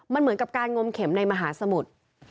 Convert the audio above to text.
มันเหมือนกับการงมเข็มในมหาสมุทร